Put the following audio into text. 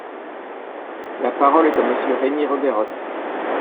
La parole est à Monsieur Rémy Rebeyrotte.